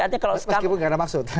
meskipun gak ada maksud